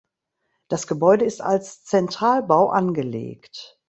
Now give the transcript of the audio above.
Das Gebäude ist als Zentralbau angelegt.